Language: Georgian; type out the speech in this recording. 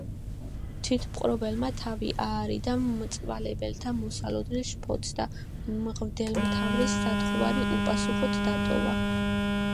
თვითმპყრობელმა თავი აარიდა მწვალებელთა მოსალოდნელ შფოთს და მღვდელმთავრის სათხოვარი უპასუხოდ დატოვა.